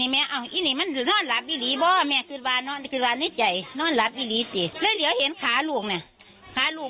แม่นก็เลยดึงภาโฮงออกจากหนาลูก